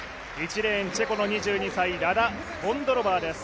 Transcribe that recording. １レーン、チェコの２２歳ラダ・ボンドロバーです。